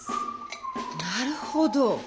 なるほど！